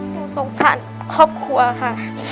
สงสารครอบครัวค่ะ